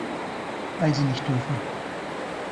Weil Sie nicht dürfen.